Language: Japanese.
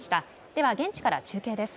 では現地から中継です。